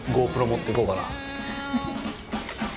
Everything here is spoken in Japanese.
持って行こうかな。